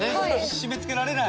締めつけられない？